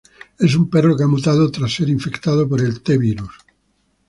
Es un perro que ha mutado tras ser infectado por el T-Virus.